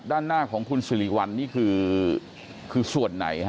ด้านหน้าของคุณสิริวัลนี่คือคือส่วนไหนฮะ